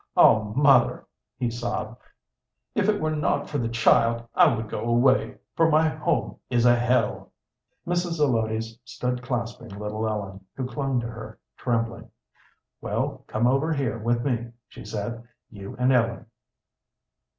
"Oh, mother," he sobbed, "if it were not for the child, I would go away, for my home is a hell!" Mrs. Zelotes stood clasping little Ellen, who clung to her, trembling. "Well, come over here with me," she said, "you and Ellen."